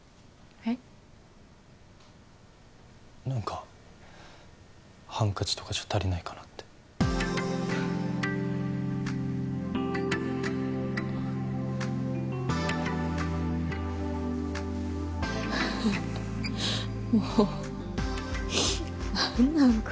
何かハンカチとかじゃ足りないかなってもう何なん？